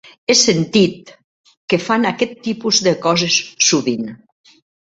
He sentit que fan aquest tipus de coses sovint.